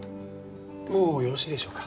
もうよろしいでしょうか？